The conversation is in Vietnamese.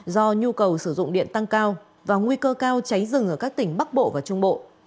do nhu cầu sử dụng điện tăng cao và nguy cơ cao cháy rừng ở các tỉnh bắc bộ và trung bộ